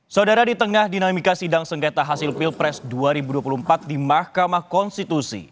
saudara di tengah dinamika sidang sengketa hasil pilpres dua ribu dua puluh empat di mahkamah konstitusi